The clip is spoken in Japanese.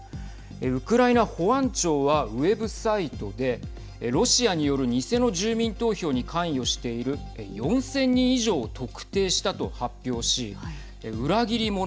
ウクライナ保安庁はウェブサイトでロシアによる偽の住民投票に関与している４０００人以上を特定したと発表し裏切り者